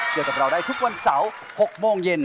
เจอกับเราได้ทุกวันเสาร์๖โมงเย็น